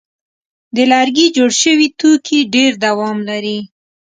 د لرګي جوړ شوي توکي ډېر دوام لري.